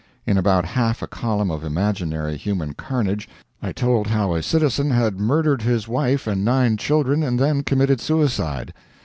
In about half a column of imaginary human carnage I told how a citizen had murdered his wife and nine children, and then committed suicide.